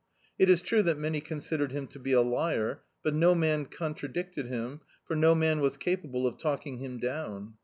It is true that many considered him to be a liar; but no man con tradicted him, for no man was capable of talking him down.